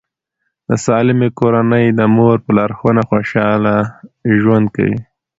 د سالمې کورنۍ د مور په لارښوونه خوشاله ژوند کوي.